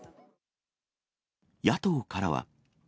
野党からは。